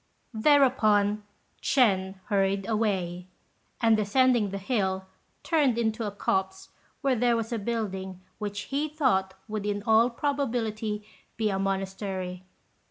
Thereupon Ch'ên hurried away; and descending the hill, turned into a copse where there was a building which he thought would in all probability be a monastery.